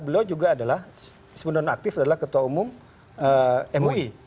beliau juga adalah sebenarnya aktif adalah ketua umum mui